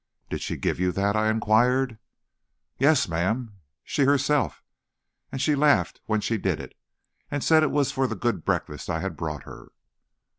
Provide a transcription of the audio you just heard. "Did she give you that?" I inquired. "Yes, ma'am; she herself. And she laughed when she did it, and said it was for the good breakfast I had brought her."